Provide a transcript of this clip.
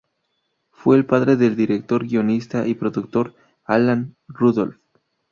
Fue el padre del director, guionista y productor Alan Rudolph.